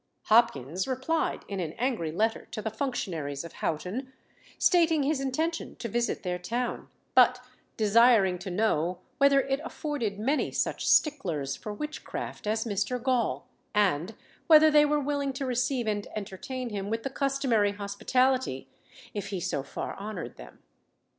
Hopkins replied in an angry letter to the functionaries of Houghton, stating his intention to visit their town; but desiring to know whether it afforded many such sticklers for witchcraft as Mr. Gaul, and whether they were willing to receive and entertain him with the customary hospitality, if he so far honoured them.